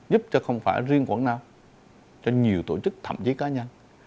giúp cho không phải riêng quảng nam cho nhiều tổ chức thậm chí cá nhân